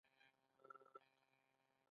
هر څوک معینه مرتبه کې زېږي.